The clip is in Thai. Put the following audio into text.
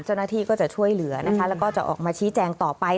เจ้าหน้าที่ก็จะช่วยเหลือนะคะแล้วก็จะออกมาชี้แจงต่อไป